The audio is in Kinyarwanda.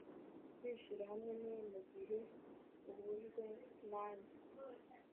kwishira hamwe, ni mugihe uhujwe nanjye